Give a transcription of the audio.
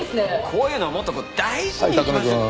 こういうのはもっとこう大事にいきましょう。